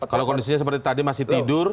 kalau kondisinya seperti tadi masih tidur